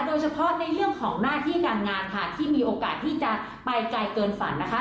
โดยเฉพาะในเรื่องของหน้าที่การงานค่ะที่มีโอกาสที่จะไปไกลเกินฝันนะคะ